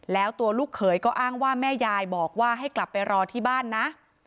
แล้วตัวลูกเขยก็อ้างว่าแม่ยายบอกว่าให้กลับไปรอที่บ้านนะ